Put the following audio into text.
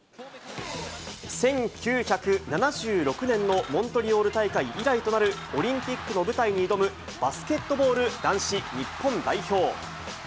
１９７６年のモントリオール大会以来となる、オリンピックの舞台に挑むバスケットボール男子日本代表。